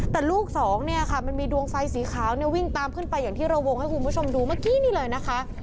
แต่ลูกสองเนี่ยค่ะมันมีดวงไฟสีขาวเนี่ยวิ่งตามขึ้นไปอย่างที่เราวงให้คุณผู้ชมดูเมื่อกี้นี่เลยนะคะ